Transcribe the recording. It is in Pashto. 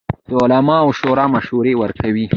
د علماوو شورا مشورې ورکوي